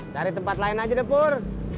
cari tempat lain aja deh pur